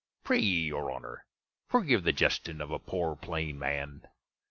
Prayey, your Honner, forgive the gesting of a poor plane man.